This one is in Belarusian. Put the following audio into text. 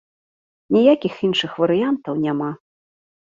Ніякіх іншых варыянтаў няма.